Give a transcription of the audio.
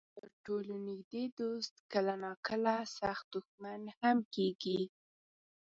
تر ټولو نږدې دوست کله ناکله سخت دښمن هم کېږي.